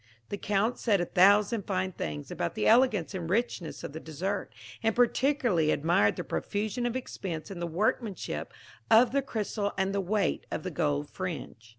The Count said a thousand fine things about the elegance and richness of the dessert, and particularly admired the profusion of expense in the workmanship of the crystal and the weight of the gold fringe.